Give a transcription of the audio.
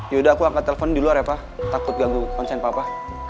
yaudah aku angkat telepon di luar ya pak takut ganggu konsen papa